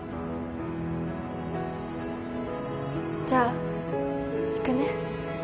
じゃあ行くね。